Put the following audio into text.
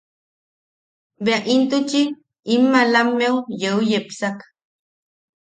Bea intuchi in malammeu yeu yepsak...